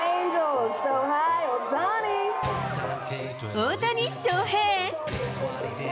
大谷翔平。